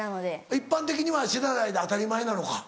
一般的には知らないで当たり前なのか。